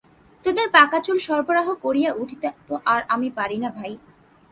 তোদের পাকাচুল সরবরাহ করিয়া উঠিতে আর তো আমি পারি না ভাই।